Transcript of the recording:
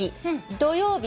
土曜日